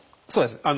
そうです。